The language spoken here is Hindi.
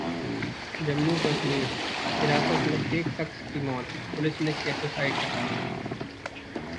जम्मू-कश्मीर: हिरासत में एक शख्स की मौत, पुलिस ने किया सुसाइड का दावा